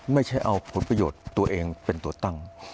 ไม่ใช่เอาผลประโยชน์ตัวเองเป็นตัวตั้ง